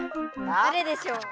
だれでしょう？